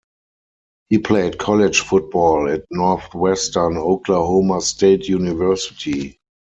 He played college football at Northwestern Oklahoma State University.